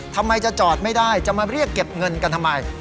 ทำไมจะจอดไม่ได้จะมาเรียกเก็บเงินกันทำไม